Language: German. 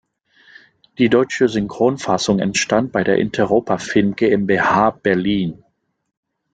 Die deutsche Synchronfassung entstand bei der Interopa Film GmbH, Berlin.